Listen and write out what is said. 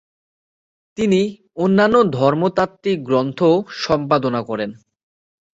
তিনি অন্যান্য ধর্মতাত্ত্বিক গ্রন্থও সম্পাদনা করেন।